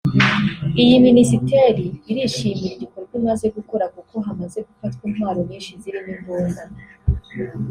Iyi Minisiteri irishimira igikorwa imaze gukora kuko hamaze gufatwa intwaro nyinshi zirimo imbunda